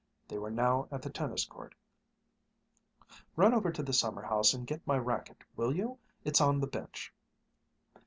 They were now at the tennis court. "Run over to the summer house and get my racquet, will you? It's on the bench."